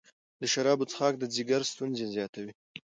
د شرابو څښاک د ځیګر ستونزې زیاتوي.